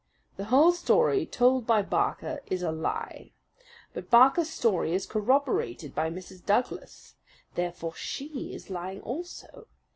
The whole story told by Barker is a lie. But Barker's story is corroborated by Mrs. Douglas. Therefore she is lying also.